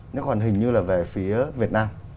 nếu còn hình như là về phía việt nam